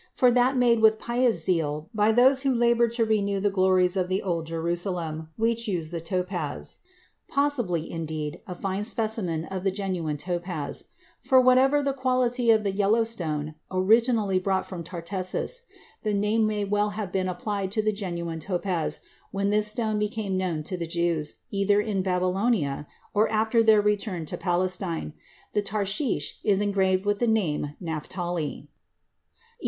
For that made with pious zeal by those who labored to renew the glories of the Old Jerusalem, we choose the topaz,—possibly, indeed, a fine specimen of the genuine topaz,—for whatever the quality of the yellow stone originally brought from Tartessus, the name may well have been applied to the genuine topaz when that stone became known to the Jews, either in Babylonia, or after their return to Palestine. The tarshish was engraved with the name Naphtali. XI.